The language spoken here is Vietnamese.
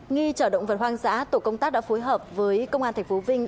nghi chở động vật hoang dã tổ công tác đã phối hợp với công an tp vinh